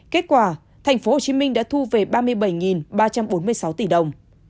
kết quả tp hcm đã thu về ba mươi bảy ba trăm bốn mươi sáu tỷ đồng